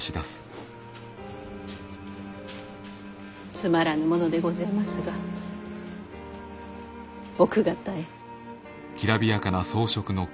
つまらぬものでごぜえますが奥方へ。